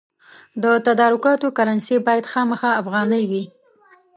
د تدارکاتو کرنسي باید خامخا افغانۍ وي.